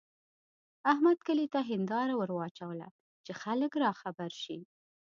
احمد کلي ته هېنداره ور واچوله چې خلګ راخبر شي.